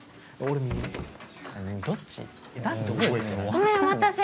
あっごめんお待たせ。